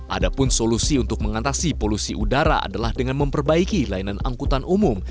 ada pun solusi untuk mengatasi polusi udara adalah dengan memperbaiki layanan angkutan umum